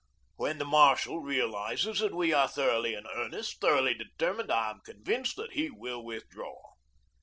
When the marshal realises that we are thoroughly in earnest, thoroughly determined, I am convinced that he will withdraw."